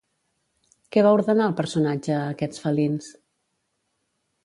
Què va ordenar el personatge a aquests felins?